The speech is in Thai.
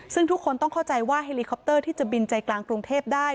ซึ่งทุกคนต้องเข้าใจว่าเฮลิคอปเตอร์ที่จะบินใจกลางกรุงเทพได้